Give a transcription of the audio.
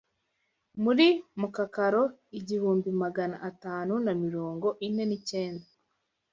Muri Mukakaro igihumbi Magana atanu na mirongo ine nicyenda